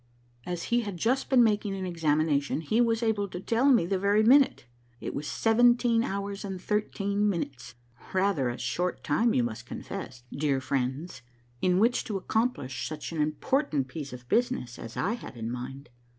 As he had just been making an examination, he was able to tell the very minute : it was seventeen hours and thirteen minutes, rather a short time you must confess, dear friends, in which to accomplish such an important piece of business as I had in mind.